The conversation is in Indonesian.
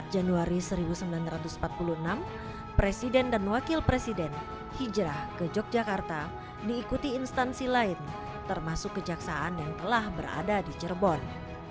empat januari seribu sembilan ratus empat puluh enam presiden dan wakil presiden hijrah ke yogyakarta diikuti instansi lain termasuk kejaksaan yang telah berada di cirebon